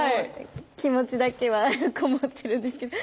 気持ちだけはこもってるんですけど。